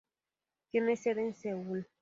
Tiene sede en Seoul.